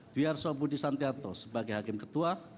biarso budi santianto sebagai hakim ketua